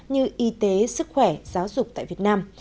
như y tế sức khỏe giáo dục tại việt nam